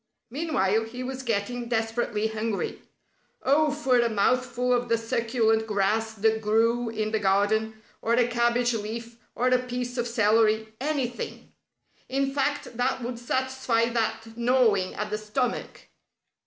Meanwhile, he was getting desperately hungry. Oh, for a mouthful of the succulent grass that grew in the garden, or a cabbage leaf or a piece of celery anything, in fact, that would satisfy that gnawing at the stomach!